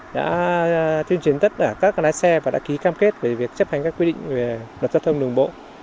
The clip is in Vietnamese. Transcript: đã tuyên truyền tất cả các lái xe và đã ký cam kết về việc chấp hành các quy định về luật giao thông đường bộ